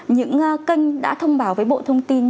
những kênh đã thông báo với bộ thông tin